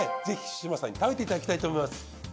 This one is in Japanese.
ぜひ志真さんに食べていただきたいと思います。